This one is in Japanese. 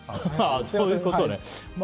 そういうことね。